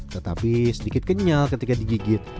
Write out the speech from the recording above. tetapi sedikit kenyal ketika digigit